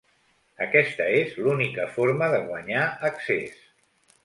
Aquesta és l'única forma de guanyar accés.